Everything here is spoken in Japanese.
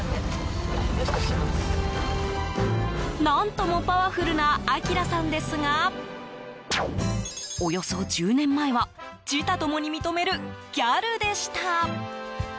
何ともパワフルな晶さんですがおよそ１０年前は自他共に認めるギャルでした。